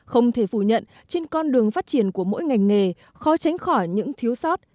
không thể phủ nhận trên con đường phát triển của mỗi ngành nghề khó tránh khỏi những thiếu sót